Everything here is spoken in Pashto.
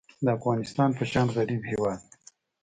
د افغانستان په شان غریب هیواد